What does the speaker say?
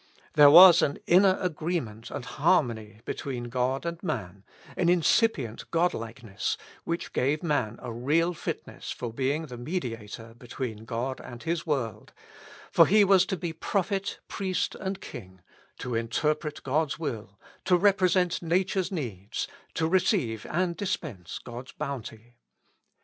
There was an inner agreement and harmony between God and man, an incipient Godlikeness, which gave man a real fitness for being the mediator between God and His world, for he was to be pro phet, priest and king, to interpret God's will, to represent nature's needs, to receive and dispense God's bounty.